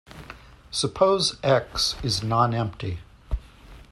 Suppose "X" is non-empty.